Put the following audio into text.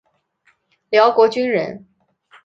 辽国军人。